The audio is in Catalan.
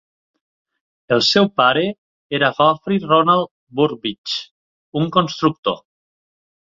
El seu pare era Geoffrey Ronald Burbidge, un constructor.